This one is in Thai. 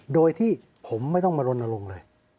โดยที่ผมไม่ต้องมารณรงค์เลย